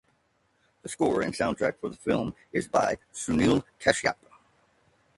The score and soundtrack for the film is by Sunil Kashyap.